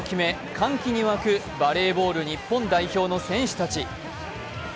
歓喜に沸くバレーボール日本男子の選手たち。